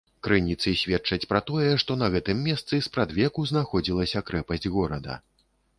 Крыніцы сведчаць пра тое, што на гэтым месцы спрадвеку знаходзілася крэпасць горада.